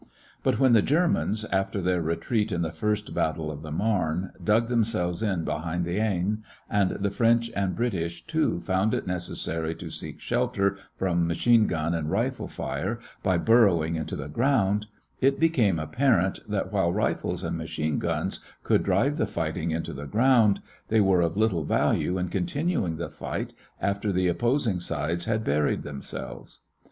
But when the Germans, after their retreat in the First Battle of the Marne, dug themselves in behind the Aisne, and the French and British too found it necessary to seek shelter from machine gun and rifle fire by burrowing into the ground, it became apparent that while rifles and machine guns could drive the fighting into the ground, they were of little value in continuing the fight after the opposing sides had buried themselves.